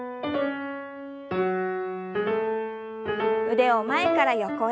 腕を前から横へ。